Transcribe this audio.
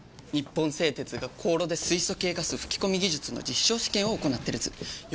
本製鉄が高炉で水素系ガス吹き込み技術の証試験を行っている図４５００